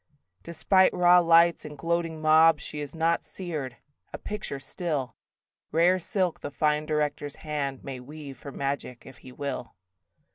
Despite raw lights and gloating mobs She is not seared: a picture still: Rare silk the fine director's hand May weave for magic if he will.